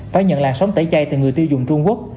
phải nhận làn sóng tẩy chay từ người tiêu dùng trung quốc